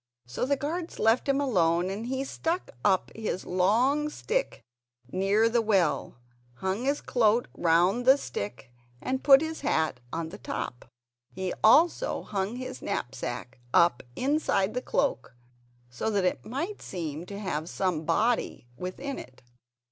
So the guards left him alone and he stuck up his long stick near the well, hung his cloak round the stick and put his hat on the top. He also hung his knapsack up inside the cloak so that it might seem to have some body within it.